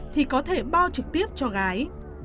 thì có thể bao trực tiếp cho gái